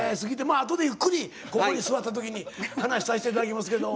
まああとでゆっくりここに座った時に話さして頂きますけど。